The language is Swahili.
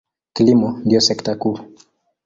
Kilimo ndiyo sekta kuu.